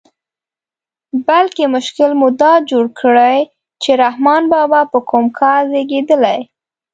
بلکې مشکل مو دا جوړ کړی چې رحمان بابا په کوم کال زېږېدلی.